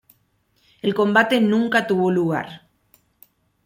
El combate nunca tuvo lugar.